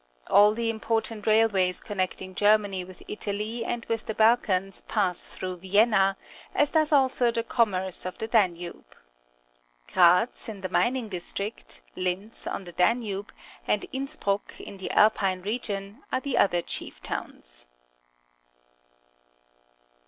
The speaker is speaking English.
All the important railwaj's connecting Ger many with Italy and with the Balkans pass through Vienna, as does also the commerce of the Danube. Graz, in the mining district, Linz, on the Danube, and Innsbruck, in the Alpine region, are the other chief towns.